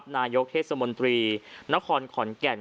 นายกเทศมนตรีนครขอนแก่น